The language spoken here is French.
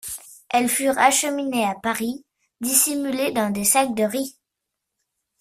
Elles furent acheminées à Paris dissimulées dans des sacs de riz.